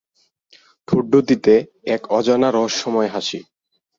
ঠোঁটদুটিতে এক অজানা রহস্যময় হাসি।